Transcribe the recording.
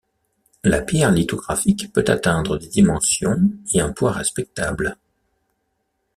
La pierre lithographique peut atteindre des dimensions et un poids respectables.